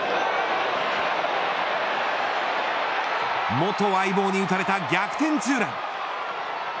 元相棒に打たれた逆転ツーラン。